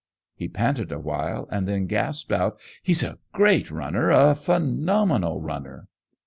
He panted awhile, and then gasped out: "He's a great runner; a phenomenal runner!"